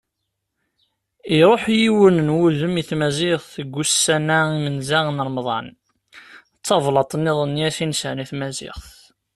Iruḥ yiwen n wudem i tmaziɣt deg wussan-a imenza n Remḍan, d tablaḍt nniḍen i as-inesren i tmaziɣt.